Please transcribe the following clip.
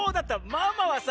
ママはさ